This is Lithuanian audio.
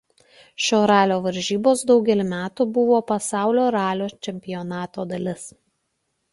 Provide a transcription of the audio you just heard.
Šio ralio varžybos daugelį metų buvo Pasaulio ralio čempionato dalis.